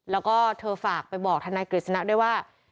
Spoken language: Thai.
แล้วก็เธอฝากไปบอกทนายกฤษณะด้วยว่า